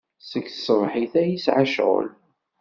Seg tṣebḥit ay yesɛa ccɣel.